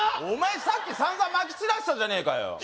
お前さっき散々まき散らしたじゃねえかよ